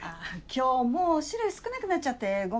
今日もう種類少なくなっちゃってごめんね。